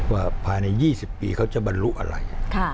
ว่าภายใน๒๐ปีเขาจะบรรลุอะไร